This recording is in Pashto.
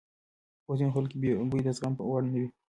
په ځینو خلکو کې بوی د زغم وړ نه وي.